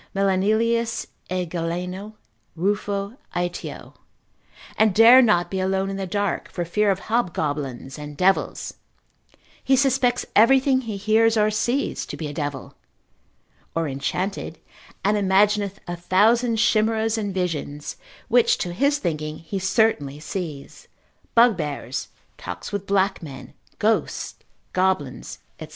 (Melanelius e Galeno, Ruffo, Aetio,) and dare not be alone in the dark for fear of hobgoblins and devils: he suspects everything he hears or sees to be a devil, or enchanted, and imagineth a thousand chimeras and visions, which to his thinking he certainly sees, bugbears, talks with black men, ghosts, goblins, &c.